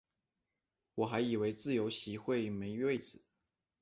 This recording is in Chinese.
我还以为自由席会没位子